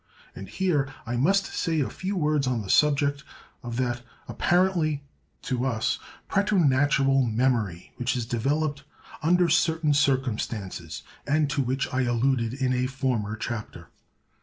And here I must say a few words on the subject of that apparently (to us) preternatural memory which is developed under certain circumstances, and to which I alluded in a former chapter.